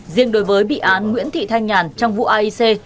riêng đối với bị án nguyễn thị thanh nhàn trong vụ aic